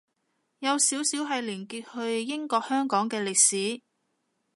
有少少係連結去英國香港嘅歷史